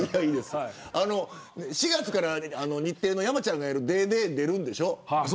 ４月から日テレの山ちゃんがやるＤａｙＤａｙ．に出るんでしょ。